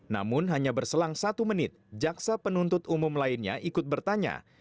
namun hanya berselang satu menit jaksa penuntut umum lainnya ikut bertanya